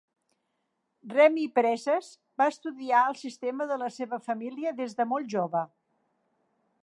Remy Presas va estudiar el sistema de la seva família des de molt jove.